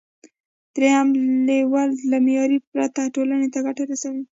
دریم لیول له معیار پرته ټولنې ته ګټه رسوي.